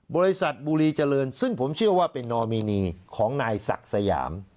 บริษัทบุรีเจริญซึ่งผมเชื่อว่าเป็นนอมินีของนายศักดิ์สยาม